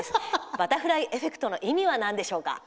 「バタフライエフェクト」の意味なんでしょうか？